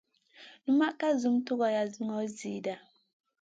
Unma ka zum tugora gnor zida.